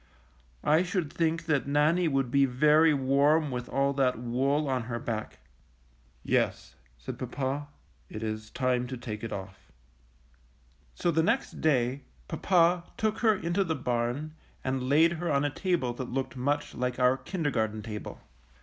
I should think that Nannie would be very warm with all that wool on her back.'' "Yes,^' said Papa, "it is time to take it off.^' 150 NANNIE'S COAT. So the next day papa took her into the barn and laid her on a table that looked much like our kindergarten table.